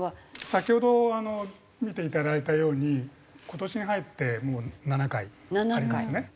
先ほど見ていただいたように今年に入ってもう７回ありますね。